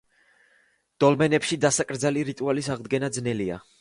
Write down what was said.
დოლმენებში დასაკრძალი რიტუალის აღდგენა ძნელია.